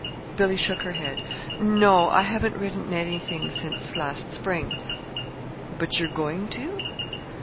Billy shook her head. "No; I haven't written anything since last spring." "But you're going to?"